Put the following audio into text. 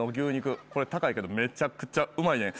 これ高いけどめちゃくちゃうまいねん。